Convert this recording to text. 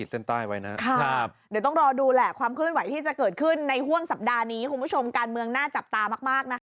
เดี๋ยวต้องรอดูความเคลื่อนไหวที่จะเกิดขึ้นในห้วงสัปดาห์นี้คุณผู้ชมการเมืองน่าจับตามากนะครับ